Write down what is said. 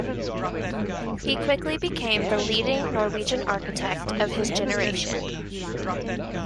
He quickly became the leading Norwegian architect of his generation.